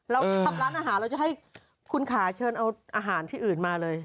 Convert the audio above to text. เราทำร้านอาหารเราจะให้คุณขาเชิญเอาอาหารที่อื่นมาเลย